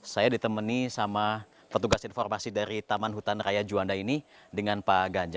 saya ditemani sama petugas informasi dari taman hutan raya juanda ini dengan pak ganja